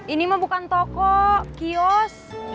ini mah bukan toko kios